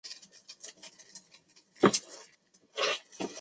斯沙尔拉克贝尔甘伊尔姆斯泰。